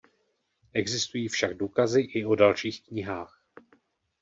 Existují však důkazy i o dalších knihách.